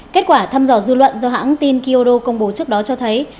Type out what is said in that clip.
kết quả thăm dò dư luận do hãng tin kyodo công bố trước đó cho thấy